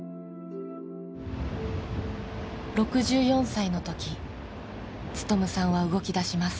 ６４歳のとき勉さんは動き出します。